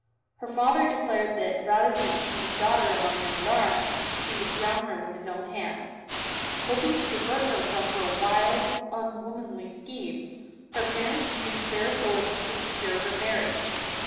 Her father declared that, rather than see his daughter among men at arms, he would drown her with his own hands. Hoping to divert her from her wild, unwomanly schemes, her parents used their authority to secure her marriage.